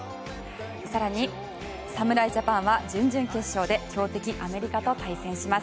更に、侍ジャパンは準々決勝で強敵アメリカと対戦します。